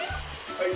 はい。